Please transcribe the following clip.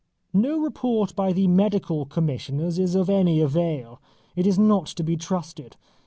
No report by the Medical Commissioners is of any avail. It is not to be trusted.